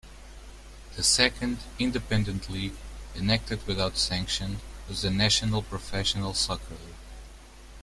The second, independent league, enacted without sanction, was the National Professional Soccer League.